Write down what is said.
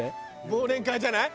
忘年会じゃない？